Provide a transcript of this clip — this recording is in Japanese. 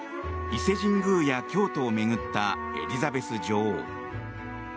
伊勢神宮や京都を巡ったエリザベス女王。